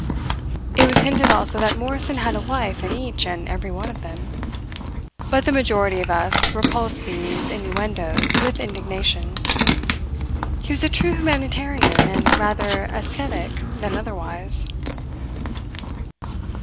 It was hinted also that Morrison had a wife in each and every one of them, but the majority of us repulsed these innuendoes with indignation. He was a true humanitarian and rather ascetic than otherwise.